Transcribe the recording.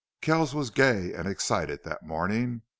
Kells was gay and excited that morning.